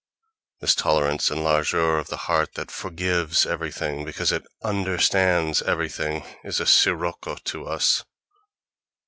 This tolerance and largeur of the heart that "forgives" everything because it "understands" everything is a sirocco to us.